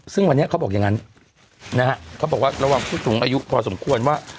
ซึ่งวันนี้เขาบอกอย่างนั้นนะฮะเขาบอกว่าระวังผู้สูงอายุพอสมควรว่า